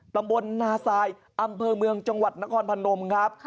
ตำบลนาซายอำเภอเมืองจังหวัดนครพนมครับ